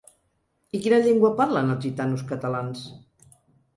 I quina llengua parlen, els gitanos catalans?